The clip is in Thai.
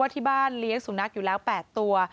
ที่บ้านเลี้ยงสุนัขอยู่แล้ว๘ตัว